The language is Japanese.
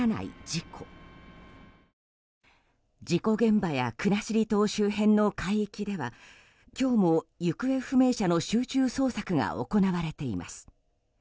事故現場や国後島周辺の海域では今日も行方不明者の集中捜索が行われています。